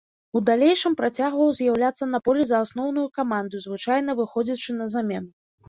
У далейшым працягваў з'яўляцца на полі за асноўную каманду, звычайна выходзячы на замену.